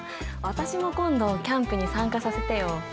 私も今度キャンプに参加させてよ。